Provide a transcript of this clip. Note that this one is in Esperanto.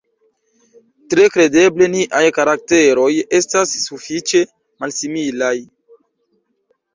Tre kredeble niaj karakteroj estas sufiĉe malsimilaj.